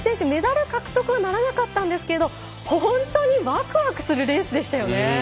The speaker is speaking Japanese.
メダル獲得はならなかったんですけど本当にわくわくするレースでしたよね。